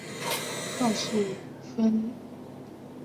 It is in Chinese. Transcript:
告诉分为告诉乃论与非告诉乃论。